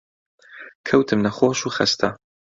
کەوتم نەخۆش و خەستە